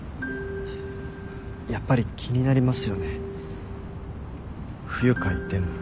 やっぱり気になりますよね不愉快でも。